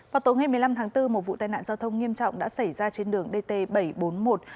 vào tối ngày một mươi năm tháng bốn một vụ tai nạn giao thông nghiêm trọng đã xảy ra trên đường dt bảy trăm bốn mươi một